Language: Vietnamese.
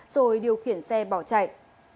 rồi điều khiển xe bỏ chạy